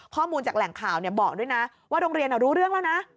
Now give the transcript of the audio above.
ข้อมูลจากแหล่งข่าวบอกด้วยนะว่าโรงเรียนรู้เรื่องแล้วนะ